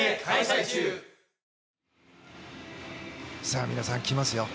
あぁ皆さん、来ますよ。